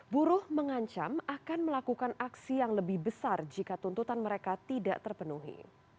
buruh mengancam akan melakukan aksi yang lebih besar jika tuntutan mereka tidak terpenuhi